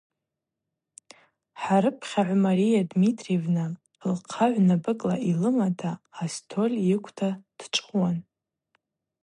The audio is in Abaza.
Хӏарыпхьагӏв Мария Дмитриевна лхъа гӏвнапӏыкӏла йлымата, астоль йыквта дчӏвыуан.